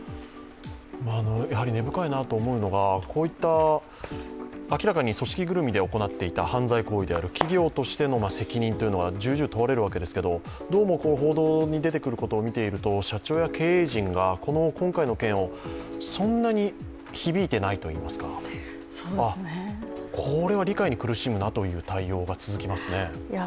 根深いなと思うのがこういった、明らかに組織ぐるみで行っていた、犯罪行為である、企業としての責任というのが重々問われるわけですけどどうも報道に出てくることを見ていると社長や経営陣が今回の件をそんなに響いていないといいますか、これは理解に苦しむなという対応が続きますね。